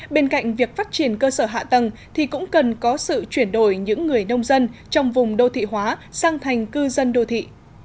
bên cạnh việc phát triển cơ sở hạ tầng thì cũng cần có sự chuyển đổi những người nông dân trong vùng đô thị hóa sang thành cư dân đô thị